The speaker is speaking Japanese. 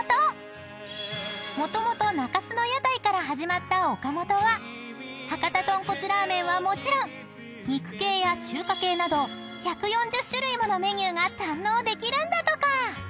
［もともと中洲の屋台から始まった「おかもと」は博多豚骨ラーメンはもちろん肉系や中華系など１４０種類ものメニューが堪能できるんだとか］